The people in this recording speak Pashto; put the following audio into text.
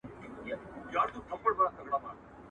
د خلګو د اړتياوو پوره کولو لپاره ډېر نوي توليدات سوي وو.